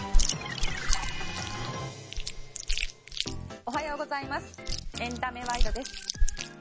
おはようございますエンタメワイドです。